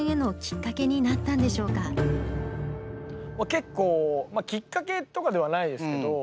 けっこうまあきっかけとかではないですけど。